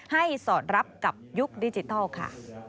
สอดรับกับยุคดิจิทัลค่ะ